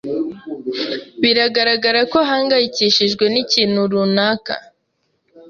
Biragaragara ko ahangayikishijwe n'ikintu runaka.